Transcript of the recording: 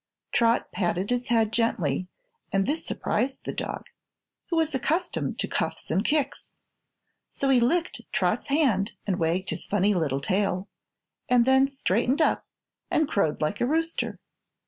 Trot patted his head gently and this surprised the dog, who was accustomed to cuffs and kicks. So he licked Trot's hand and wagged his funny little tail and then straightened up and crowed like a rooster.